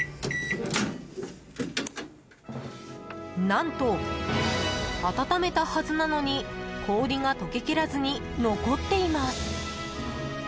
何と、温めたはずなのに氷が解けきらずに残っています。